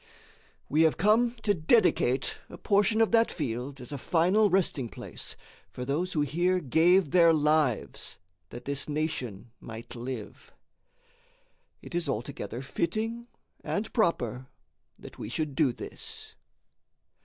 We have come to dedicate a portion of that field as a final resting place for those who here gave their lives that that nation might live. It is altogether fitting and proper that we should do this.